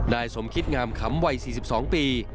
นายสมคิดงามขำวัย๔๒ปี